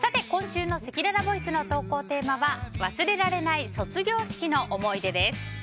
今週のせきららボイスの投稿テーマは忘れられない卒業式の思い出です。